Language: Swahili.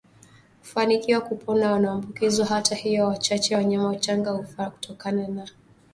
hufanikiwa kupona wanapoambukizwa Hata hivyo wanyama wachache wachanga hufa kutokana na matatizo ya moyo